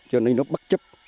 cho nên nó bất chấp